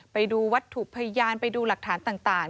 ไปดูวัตถุพยานไปดูหลักฐานต่าง